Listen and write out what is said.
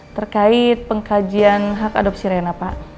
terkait pengkajian hak adopsi rena pak